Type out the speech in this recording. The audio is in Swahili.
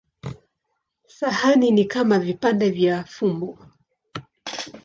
Sahani ni kama vipande vya fumbo.